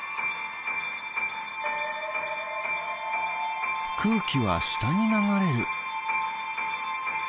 くうきはしたにながれる。